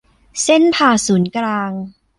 เส้นผ่าศูนย์กลาง